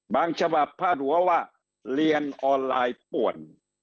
ฉบับพาดหัวว่าเรียนออนไลน์ป่วน